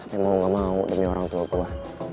tapi mau gak mau demi orang tua gue